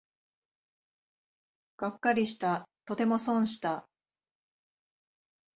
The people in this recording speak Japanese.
がっかりした、とても損した